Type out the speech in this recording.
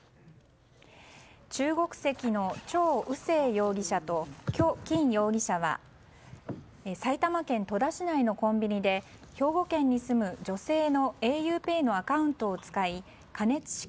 中国籍のチョウ・ウセイ容疑者とキョ・キン容疑者は埼玉県戸田市内のコンビニで兵庫県に住む女性のａｕＰＡＹのアカウントを使い加熱式